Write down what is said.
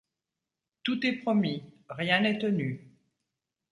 Tout est promis, rien n’est tenu.